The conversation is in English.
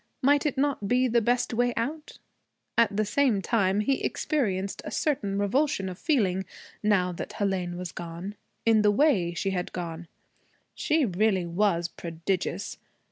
Might it not be the best way out? At the same time he experienced a certain revulsion of feeling, now that Hélène was gone, in the way she had gone. She really was prodigious!